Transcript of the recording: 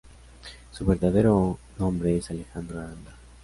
Su verdadero nombre es Alejandro Aranda.